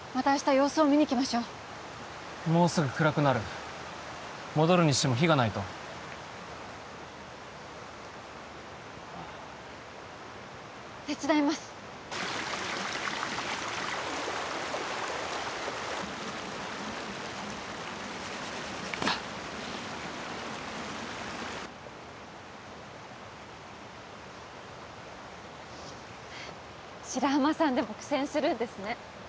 様子を見に来ましょうもうすぐ暗くなる戻るにしても火がないと手伝いますあっ白浜さんでも苦戦するんですね